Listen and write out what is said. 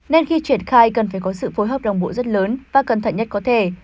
nên khi triển khai cần phải có sự phối hợp đồng bộ rất lớn và cẩn thận nhất có thể